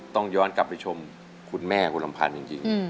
ต้องย้อนกลับไปชมคุณแม่คุณลำพันธ์จริง